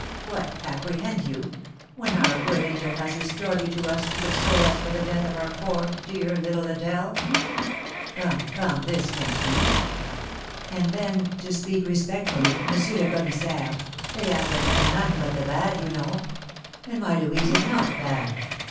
What! apprehend you, when our good angel has restored you to us to console us for the death of our poor, dear little Adèle? Come, come, this can't be. And then, to speak respectfully, M. le Commissaire, they apprehend none but the bad, you know; and my Louise is not bad.